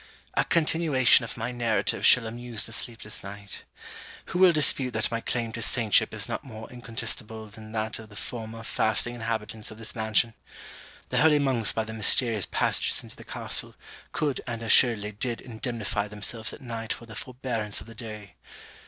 A continuation of my narrative shall amuse the sleepless night. Who will dispute that my claim to saintship is not more incontestible than that of the former fasting inhabitants of this mansion? The holy monks by their mysterious passages into the castle, could and assuredly did indemnify themselves at night for the forbearance of the day.